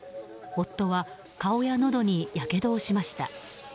夫は顔やのどにやけどをしました。